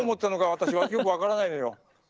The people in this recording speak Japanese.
私はよく分からないのよ。